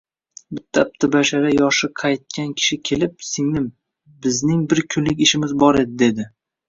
Bitta aktipbashara, yoshi qaytg‘an kishi kelib, singlim, bizding bir kunlik ishimiz bor, dedi